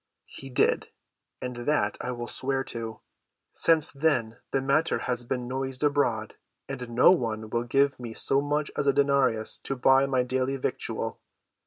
"He did, and that I will swear to. Since then the matter has been noised abroad, and no one will give me so much as a denarius to buy my daily victual.